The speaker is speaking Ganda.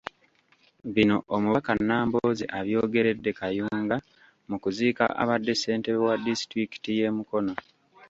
Bino Omubaka Nambooze abyogeredde Kayunga mu kuziika abadde ssentebe wa disitulikiti y’e Mukono.